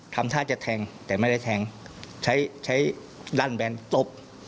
แต่ไม่ได้แทงใช้ดั่นแบรนด์ตบ